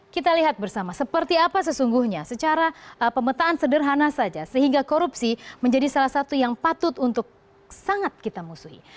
kita lihat bersama seperti apa sesungguhnya secara pemetaan sederhana saja sehingga korupsi menjadi salah satu yang patut untuk sangat kita musuhi